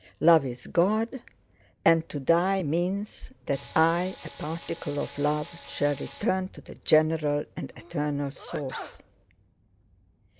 Love is God, and to die means that I, a particle of love, shall return to the general and eternal source."